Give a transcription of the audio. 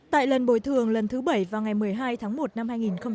tại lần bồi thường lần thứ bảy vào ngày một mươi hai tháng một năm hai nghìn hai mươi